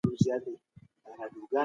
ذهني فشار تل یو علت لري.